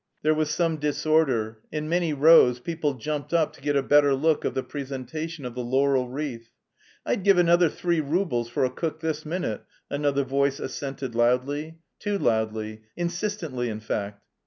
There was some disorder. In many rows people jumped up to get a better view of the presentation of the laurel wreath. "I'd give another three roubles for a cook this minute," another voice assented loudly, too loudly; insistently, in fact.